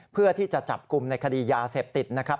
เพื่อที่จะจับกลุ่มในคดียาเสพติดนะครับ